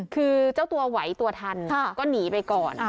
คือเจ้าตัวไหวตัวทันก็หนีไปก่อน